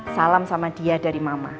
salam sama dia dari mama